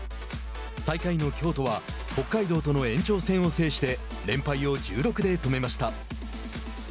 最下位の京都は北海道との延長戦を制して連敗を１６で止めました。